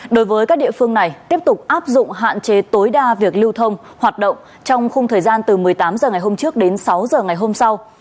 đối với các địa phương này tiếp tục áp dụng hạn chế tối đa việc lưu thông hoạt động trong khung thời gian từ một mươi tám h ngày hôm trước đến sáu h ngày hôm sau